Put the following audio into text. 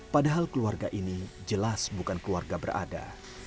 padahal keluarga ini jelas bukan keluarga berada